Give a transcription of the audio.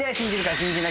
信じないか？